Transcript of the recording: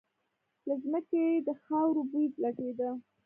له ځمکې د خاورو بوی لټېده.